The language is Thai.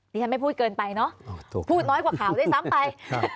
ฉันไม่พูดเกินไปเนอะพูดน้อยกว่าข่าวด้วยซ้ำไป